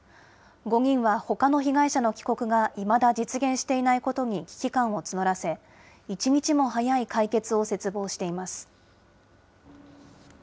５人はほかの被害者の帰国がいまだ実現していないことに危機感を募らせ、一日も早い解決を切望しています。